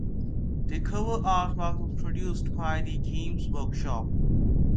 The cover artwork was produced by Games Workshop.